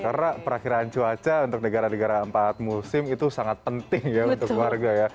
karena perakhiran cuaca untuk negara negara empat musim itu sangat penting ya untuk warga ya